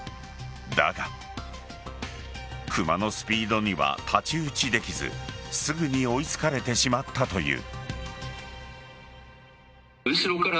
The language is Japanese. だがクマのスピードには太刀打ちできずすぐに追いつかれてしまったという。